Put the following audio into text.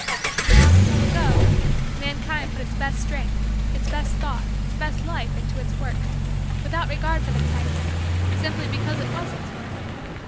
Long, long, ago mankind put its best strength, its best thought, its best life, into its works, without regard for the price, simply because it was its work.